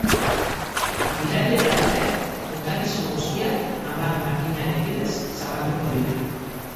Irailera arte kontakizun guztiak hamabi makinaren bidez zabalduko dira.